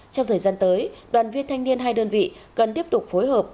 trong thời gian tới đoàn viên thanh niên hai đơn vị cần tiếp tục phối hợp